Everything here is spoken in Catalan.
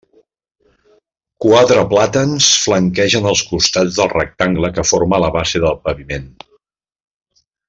Quatre plàtans flanquegen els costats del rectangle que forma la base de paviment.